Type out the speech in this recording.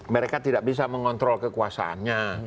mereka tidak bisa mengontrol kekuasaannya